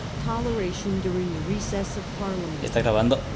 Toleration during the Recess of Parliament.